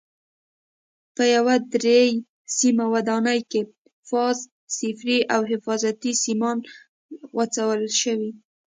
په یوه درې سیمه ودانۍ کې فاز، صفري او حفاظتي سیمان غځول شوي.